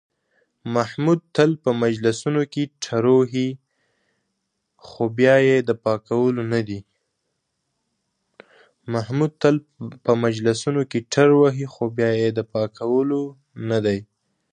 محمود تل په مجلسونو کې ټروهي، خو بیا یې د پاکولو نه دي.